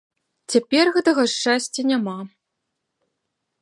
Цяпер гэтага шчасця няма.